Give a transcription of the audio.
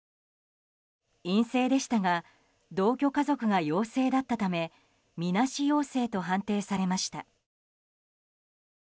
陰性でしたが同居家族が陽性だったためみなし陽性と判定されました。